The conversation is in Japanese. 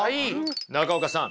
中岡さん